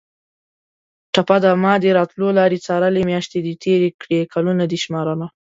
ټپه ده: مادې راتلو لارې څارلې میاشتې دې تېرې کړې کلونه دې شمارمه